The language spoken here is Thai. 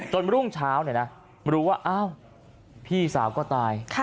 จนรุ่งเช้ารู้ว่าพี่สาวก็ตาย